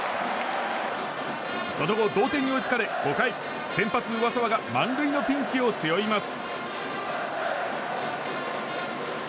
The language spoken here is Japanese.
その後、同点に追いつかれ５回先発、上沢が満塁のピンチを背負います。